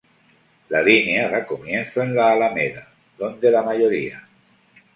La línea da comienzo en la Alameda, donde la mayoría.